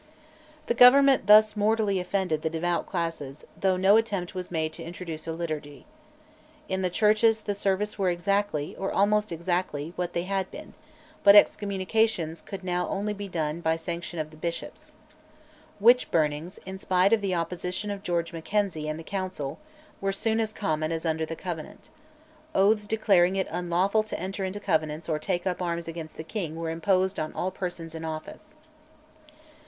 The Government thus mortally offended the devout classes, though no attempt was made to introduce a liturgy. In the churches the services were exactly, or almost exactly, what they had been; but excommunications could now only be done by sanction of the bishops. Witch burnings, in spite of the opposition of George Mackenzie and the Council, were soon as common as under the Covenant. Oaths declaring it unlawful to enter into Covenants or take up arms against the king were imposed on all persons in office.